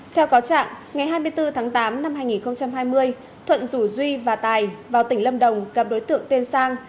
theo cáo trạng ngày hai mươi bốn tháng tám năm hai nghìn hai mươi thuận rủ duy và tài vào tỉnh lâm đồng gặp đối tượng tên sang